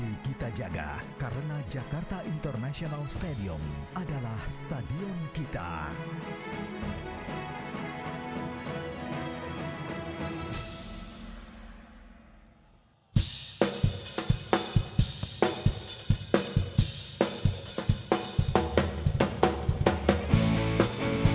yang terdengar di angkasa mulai kau disini